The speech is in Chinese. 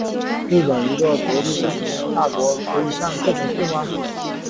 日本一个国际上堂堂大国可以干这种事吗？